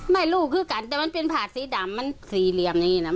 ไม่รู้คือกันแต่มันเป็นผาดสีดำมันสีเหลี่ยมอย่างนี้นะ